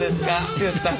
剛さん。